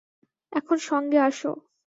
এখন সঙ্গে আসো।